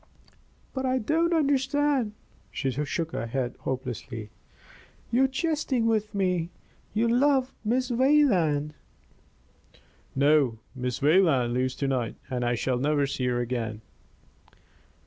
"But I don't understand!" She shook her head hopelessly. "You are jesting with me. You love Miss Wayland." "No. Miss Wayland leaves to night, and I shall never see her again."